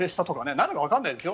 何かわからないですよ。